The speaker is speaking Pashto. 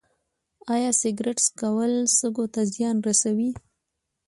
ایا سګرټ څکول سږو ته زیان رسوي